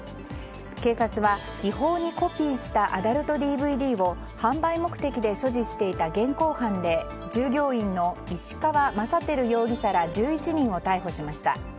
警察は、違法にコピーしたアダルトＤＶＤを販売目的で所持していた現行犯で従業員の石川正輝容疑者ら１１人を逮捕しました。